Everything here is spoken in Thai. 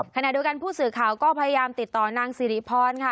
ขณะเดียวกันผู้สื่อข่าวก็พยายามติดต่อนางสิริพรค่ะ